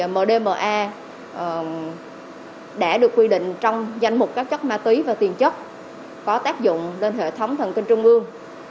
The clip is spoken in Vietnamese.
mdma đã được quy định trong danh mục các chất ma túy và tiền chất có tác dụng lên hệ thống thần kinh trung ương